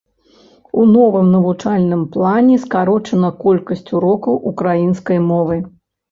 У новым навучальным плане скарочана колькасць урокаў украінскай мовы.